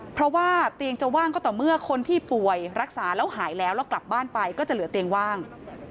เพราะว่าเตียงจะว่างก็ต่อเมื่อคนที่ป่วยรักษาแล้วหายแล้วแล้วกลับบ้านไปก็จะเหลือเตียงว่าง